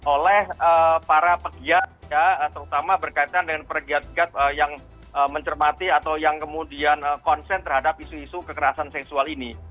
oleh para pegiat ya terutama berkaitan dengan pegiat giat yang mencermati atau yang kemudian konsen terhadap isu isu kekerasan seksual ini